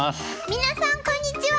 皆さんこんにちは。